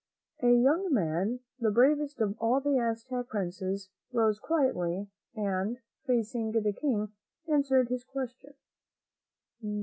And a young man, the bravest of all the Aztec princes, arose quietly and, facing the King, answered his question.